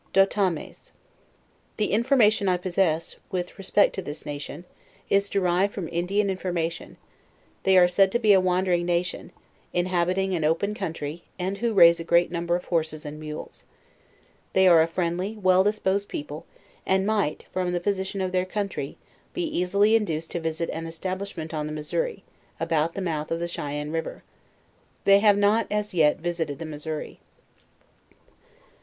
DOTAMES. The informal ian I possess, with respect to 136 JOURNAL OF I this nation, is derived from Indian information: they are said' to be a wandering nation, inhabiting an open country, and who raise a great number of horses and rnules. They are a friendly, well disposed people, and might, from the position of their country, be easily induced to visit an establishment on the Missouri, about the rnouth of Chyanne river. They have not, as yet, visited the Missouri.